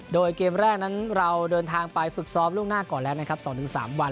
โดยเกมแรกนั้นเราเดินทางไปฝึกซ้อมล่วงหน้าก่อนแล้วนะครับ๒๓วัน